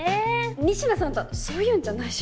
仁科さんとはそういうんじゃないし。